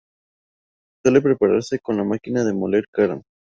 Suele prepararse con la máquina de moler carne.